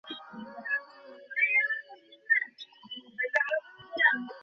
এই লোকটাকে বোঝানো সম্ভব নয়।